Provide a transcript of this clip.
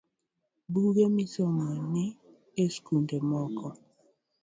Buge misomo ni e sikunde moko